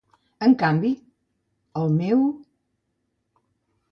En canvi, el meu...